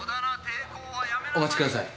お待ちください。